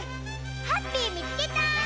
ハッピーみつけた！